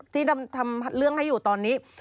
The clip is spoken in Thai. ที่ทำเรื่องให้อยู่ตอนนี้